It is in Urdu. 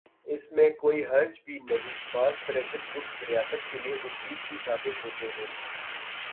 اس میں کوئی حرج بھی نہیں، بعض پریشر گروپس ریاست کے لئے مفید بھی ثابت ہوتے ہیں۔